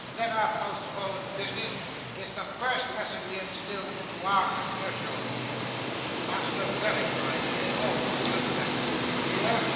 '"Never postpone business," is the very first lesson we instil into our commercial pupils. Master Belling, my dear, always remember that; do you hear?